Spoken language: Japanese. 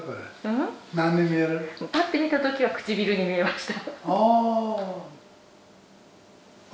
パッて見た時は唇に見えました。